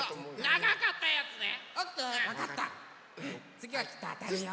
つぎはきっとあたるよ。